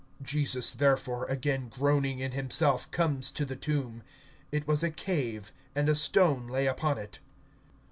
(38)Jesus therefore, again groaning in himself, comes to the tomb. It was a cave, and a stone lay upon it.